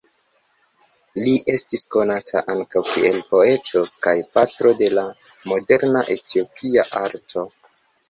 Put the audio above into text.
Li estis konata ankaŭ kiel poeto kaj patro de la moderna Etiopia arto.